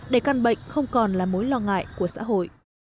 để căn bệnh không còn là mối lo ngại của xã hội